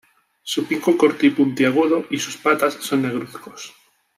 Su pico corto y puntiagudo y sus patas son negruzcos.